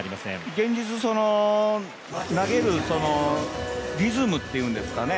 現実、投げるリズムっていうんですかね